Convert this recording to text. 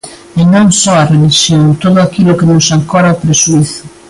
E non só a relixión, todo aquilo que nos ancora ao prexuízo.